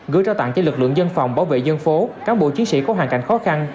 gửi trao tặng cho lực lượng dân phòng bảo vệ dân phố cán bộ chiến sĩ có hoàn cảnh khó khăn